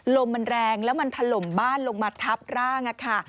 ลมมันแรงแล้วมันถล่มบ้านลงมาทับร่างค่ะ